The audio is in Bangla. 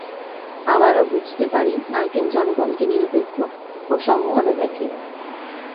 আবারও বুঝতে পারি, মার্কিন জনগণকে নিরপেক্ষ ও সমভাবে দেখে।